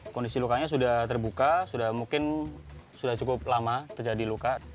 kondisi lukanya sudah terbuka sudah mungkin sudah cukup lama terjadi luka